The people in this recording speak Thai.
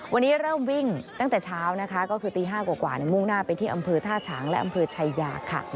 วันนี้เริ่มวิ่งตั้งแต่เช้านะคะก็คือตี๕กว่ามุ่งหน้าไปที่อำเภอท่าฉางและอำเภอชายาค่ะ